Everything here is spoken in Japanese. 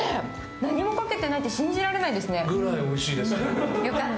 何もかけてないって信じられないですね。